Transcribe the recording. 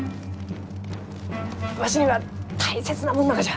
わしには大切なもんながじゃ。